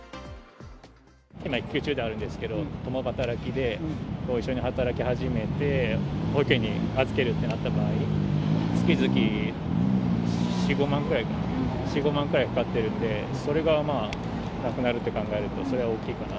今育休中ではあるんですけど、共働きで、一緒に働き始めて、保育園に預けるってなった場合、月々４、５万くらいかな、４、５万くらいかかってるんで、それがなくなるって考えると、それは大きいかな。